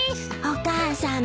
お母さん